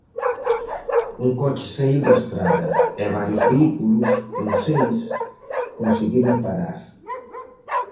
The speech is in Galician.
Un coche saíu da estrada e varios vehículos, uns seis, conseguiron parar.